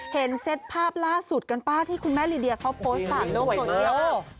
เห็นเซตภาพล่าสุดกันป่ะที่คุณแม่ลีเดียเขาโพสต์ฝากโลกสวยเยี่ยม